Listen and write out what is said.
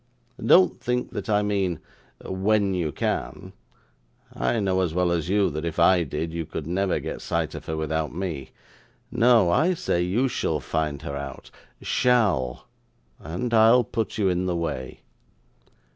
Don't think that I mean, when you can I know as well as you that if I did, you could never get sight of her without me. No. I say you shall find her out SHALL and I'll put you in the way.